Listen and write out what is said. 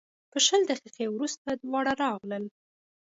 په شل دقیقې وروسته دواړه راغلل.